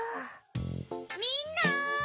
みんな！